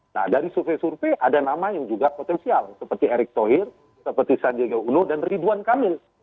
nah dari survei survei ada nama yang juga potensial seperti erick thohir seperti sandiaga uno dan ridwan kamil